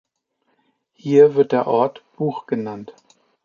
Hier wird der Ort „Buch“ genannt.